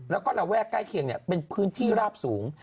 แล้วก็ระแวกใกล้เคียงเป็นพื้นที่ราบสูง